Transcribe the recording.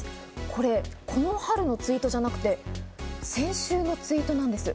これ、この春のツイートではなくて先週のツイートなんです。